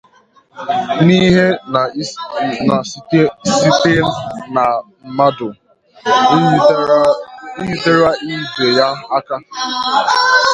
n'ihi na site na mmadụ inyerịtara ibè ya aka